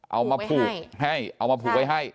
เอามาผูกไว้ให้